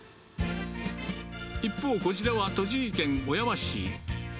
一方、こちらは栃木県小山市。